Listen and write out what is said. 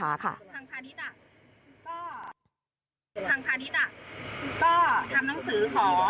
ทางพาณิชย์อ่ะก็ทำหนังสือขอ